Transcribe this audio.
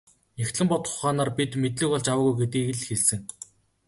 Нягтлан бодох ухаанаар бид мэдлэг олж аваагүй гэдгийг л хэлсэн.